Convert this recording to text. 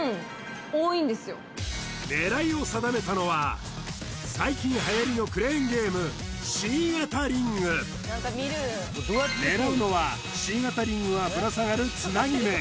狙いを定めたのは最近はやりのクレーンゲーム狙うのはＣ型リングがぶら下がるつなぎ目